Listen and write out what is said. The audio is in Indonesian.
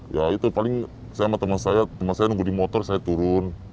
ya itu paling sama teman saya teman saya nunggu di motor saya turun